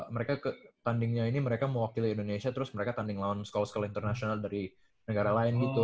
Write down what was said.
mereka tandingnya ini mereka mau wakili indonesia terus mereka tanding lawan school school international dari negara lain gitu